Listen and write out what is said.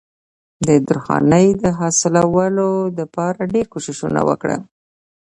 د درخانۍ د حاصلولو د پاره ډېر کوششونه وکړل